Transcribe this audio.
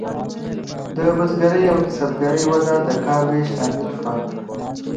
د بزګرۍ او کسبګرۍ وده د کار ویش لامل شوه.